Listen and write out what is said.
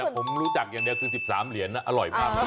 ผมรู้จักอย่างเดียวคือ๑๓เหรียญอร่อยมากเลย